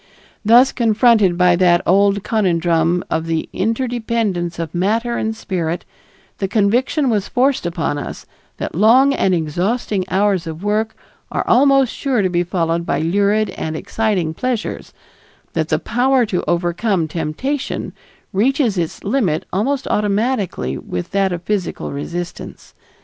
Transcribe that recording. Thus confronted by that old conundrum of the interdependence of matter and spirit, the conviction was forced upon us that long and exhausting hours of work are almost sure to be followed by lurid and exciting pleasures; that the power to overcome temptation reaches its limit almost automatically with that of physical resistance.